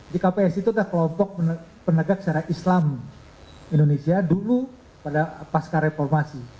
jadi kpsi itu adalah kelompok penegak secara islam indonesia dulu pada pasca reformasi